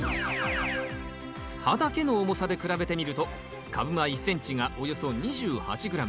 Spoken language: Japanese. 葉だけの重さで比べてみると株間１ｃｍがおよそ２８ｇ